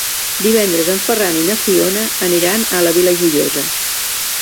Divendres en Ferran i na Fiona aniran a la Vila Joiosa.